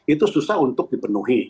itu susah untuk dipenuhi